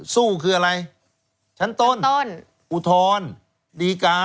สู้คืออะไรชั้นต้นอุทธรณ์ดีกา